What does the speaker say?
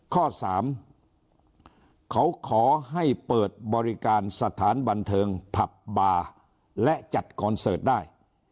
ข้อ๓เขาขอให้เปิดบริการสถานบันเทิงผับบาร์และจัดคอนเสิร์ตได้